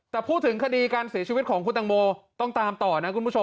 แต่พูดถึงคดีการเสียชีวิตของคุณตังโมต้องตามต่อนะคุณผู้ชม